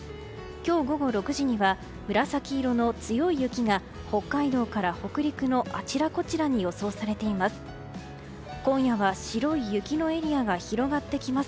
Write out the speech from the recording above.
今日午後６時には紫色の強い雪が北海道から北陸のあちらこちらに予想されています。